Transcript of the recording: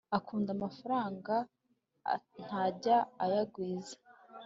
ukunda amafaranga, ntajya ayagwiza